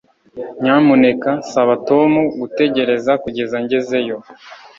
nyamuneka saba tom gutegereza kugeza ngezeyo